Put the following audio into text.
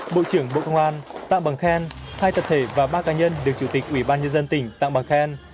bộ trưởng bộ công an tặng bằng khen hai tập thể và ba cá nhân được chủ tịch ủy ban nhân dân tỉnh tặng bằng khen